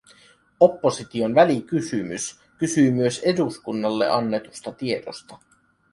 Opposition välikysymys kysyy myös eduskunnalle annetusta tiedosta.